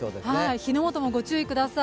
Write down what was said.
火の元もご注意ください。